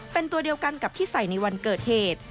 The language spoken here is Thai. เป็นตัวเดียวกันกับที่ใส่ในวันเกิดเหตุ